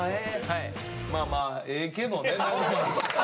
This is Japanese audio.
まあまあええけどね。